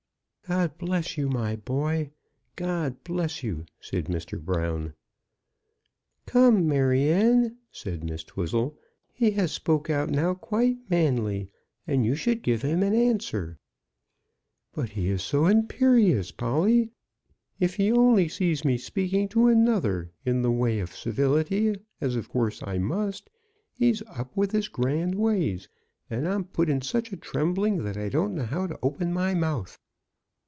"God bless you, my boy! God bless you!" said Mr. Brown. "Come, Maryanne," said Miss Twizzle, "he has spoke out now, quite manly; and you should give him an answer." "But he is so imperious, Polly! If he only sees me speaking to another, in the way of civility as, of course, I must, he's up with his grand ways, and I'm put in such a trembling that I don't know how to open my mouth."